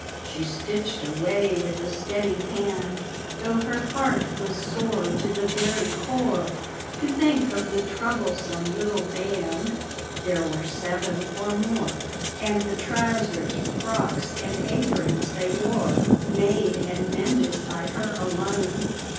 She stitched away with a steady hand, Though her heart was sore, to the very core, To think of the troublesome little band, (There were seven, or more), And the trousers, frocks, and aprons they wore, Made and mended by her alone.